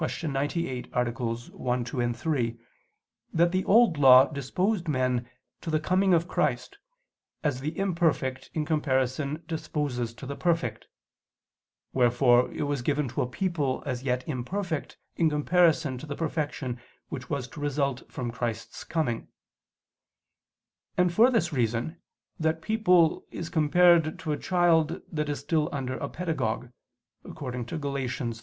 98, AA. 1, 2, 3) that the Old Law disposed men to (the coming of) Christ, as the imperfect in comparison disposes to the perfect, wherefore it was given to a people as yet imperfect in comparison to the perfection which was to result from Christ's coming: and for this reason, that people is compared to a child that is still under a pedagogue (Gal. 3:24).